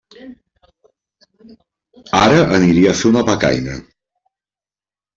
Ara aniria a fer una becaina.